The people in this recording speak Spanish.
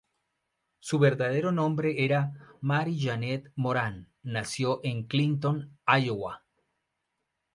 Su verdadero nombre era Mary Jeanette Moran; nació en Clinton, Iowa.